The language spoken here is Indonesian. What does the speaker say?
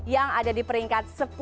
yang ada di peringkat sepuluh